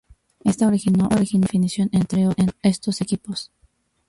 Esto originó otra definición entre estos equipos.